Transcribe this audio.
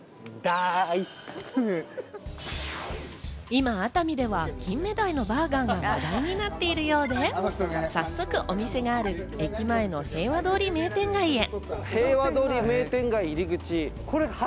今、熱海では金目鯛のバーガーが話題になっているようで、早速お店がある駅前の平和通り名店街へ。